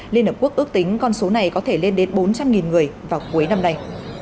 liên hợp quốc ước tính con số này có thể lên đến bốn trăm linh người vào cuối năm nay